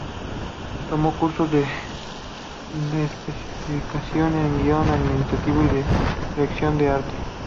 Tomó cursos de especialización en Guion, Animación y Dirección de Arte.